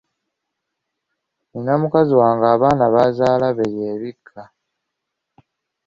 Nina mukazi wange abaana bazaala be yeebikka.